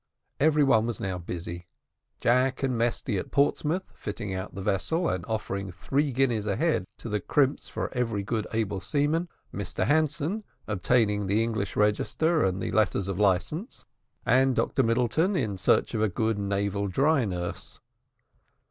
Every one was now busy. Jack and Mesty at Portsmouth, fitting out the vessel, and offering three guineas a head to the crimps for every good able seaman Mr Hanson obtaining the English register, and the letters of licence, and Dr Middleton in search of a good naval dry nurse.